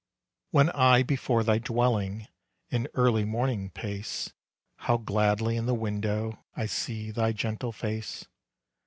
When I before thy dwelling, In early morning pace, How gladly in the window I see thy gentle face.